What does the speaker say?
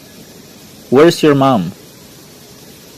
Where's your mom?